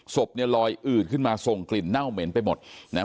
ศพเนี่ยลอยอืดขึ้นมาส่งกลิ่นเน่าเหม็นไปหมดนะฮะ